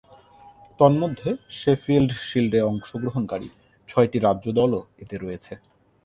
তন্মধ্যে শেফিল্ড শীল্ডে অংশগ্রহণকারী ছয়টি রাজ্য দলও এতে রয়েছে।